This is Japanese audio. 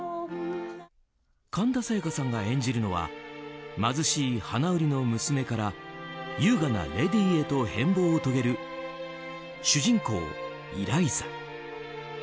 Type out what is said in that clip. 神田沙也加さんが演じるのは貧しい花売りの娘から優雅なレディーへと変貌を遂げる主人公イライザ。